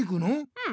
うん。